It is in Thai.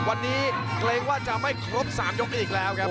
วันนี้เกรงว่าจะไม่ครบ๓ยกนี้อีกแล้วครับ